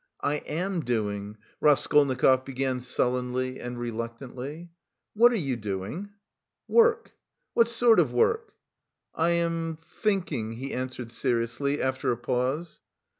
"I am doing..." Raskolnikov began sullenly and reluctantly. "What are you doing?" "Work..." "What sort of work?" "I am thinking," he answered seriously after a pause.